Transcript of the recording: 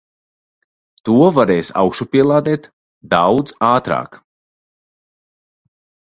To varēs augšupielādēt daudz ātrāk.